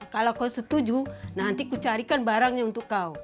kalau kau setuju nanti kucarikan barangnya untuk kau